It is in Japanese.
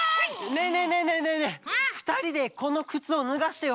ねえねえねえねえねえねえふたりでこのくつをぬがしてよ。